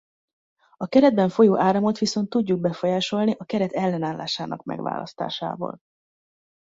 Az keretben folyó áramot viszont tudjuk befolyásolni a keret ellenállásának megválasztásával.